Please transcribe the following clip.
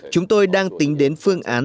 chúng tôi đang tính đến phương án